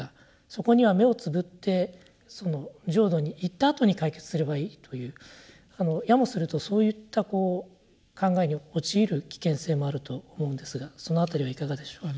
そこには目をつぶってその浄土に行ったあとに解決すればいいというやもするとそういった考えに陥る危険性もあると思うんですがそのあたりはいかがでしょう。